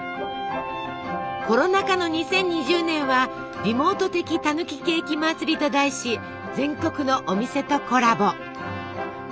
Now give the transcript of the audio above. コロナ禍の２０２０年は「リモート的タヌキケーキまつり」と題し全国のお店とコラボ。